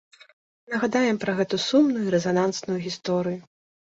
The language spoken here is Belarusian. Нагадаем пра гэту сумную і рэзанансную гісторыю.